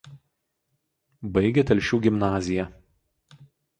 Baigė Telšių gimnaziją.